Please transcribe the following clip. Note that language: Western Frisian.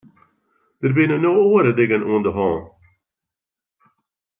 Der binne no oare dingen oan de hân.